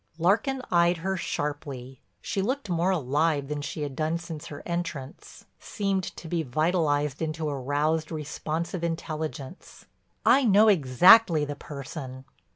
Larkin eyed her sharply. She looked more alive than she had done since her entrance, seemed to be vitalized into a roused, responsive intelligence. "I know exactly the person."